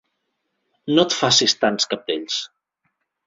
No et facis tants cabdells!